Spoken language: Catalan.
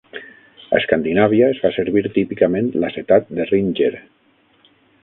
A Escandinàvia es fa servir típicament l'acetat de Ringer.